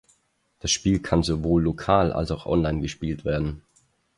Das Spiel kann sowohl lokal als auch online gespielt werden.